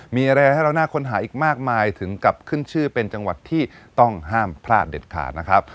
มีอะไรให้เราน่าค้นหาอีกมากมายถึงกับขึ้นชื่อเป็นจังหวัดที่ต้องห้ามพลาดเด็ดขาดนะครับ